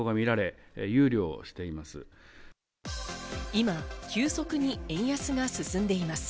今、急速に円安が進んでいます。